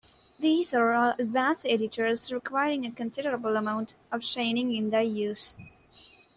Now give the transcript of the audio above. These are all advanced editors, requiring a considerable amount of training in their use.